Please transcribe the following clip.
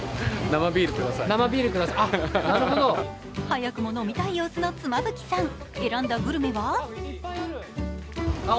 早くも飲みたい様子の妻夫木さん、選んだグルメは？